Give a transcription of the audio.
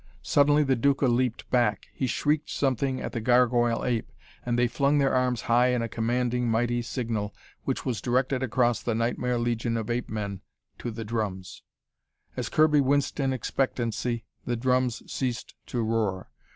Suddenly the Duca leaped back. He shrieked something at the gargoyle ape, and they flung their arms high in a commanding, mighty signal which was directed across the nightmare legion of ape men, to the drums. As Kirby winced in expectancy, the drums ceased to roar.